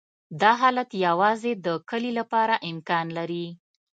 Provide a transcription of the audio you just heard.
دا حالت یوازې د کلې لپاره امکان لري